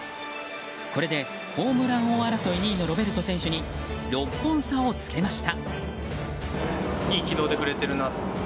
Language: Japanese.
これでホームラン王争い２位のロベルト選手に６本差をつけました。